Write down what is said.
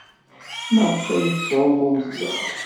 Maɣef ay tettɛumumt da?